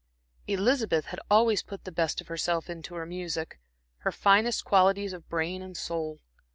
Elizabeth had always put the best of herself into her music, her finest qualities of brain and soul.